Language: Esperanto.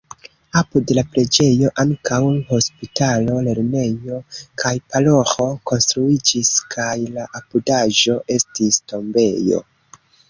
Apud la preĝejo ankaŭ hospitalo, lernejo kaj paroĥo konstruiĝis kaj la apudaĵo estis tombejo.